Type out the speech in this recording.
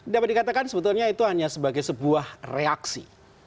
dapat dikatakan sebetulnya itu hanya sebagai sebuah reaksi